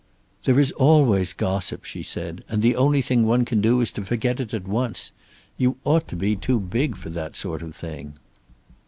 "There is always gossip," she said, "and the only thing one can do is to forget it at once. You ought to be too big for that sort of thing."